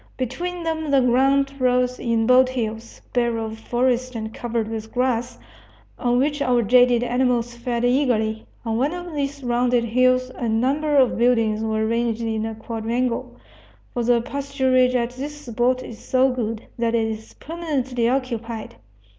Between them the ground rose in bold hills, bare of forest and covered with grass, on which our jaded animals fed eagerly. On one of these rounded hills a number of buildings were ranged in a quadrangle, for the pasturage at this spot is so good that it is permanently occupied.